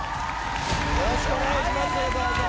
よろしくお願いします。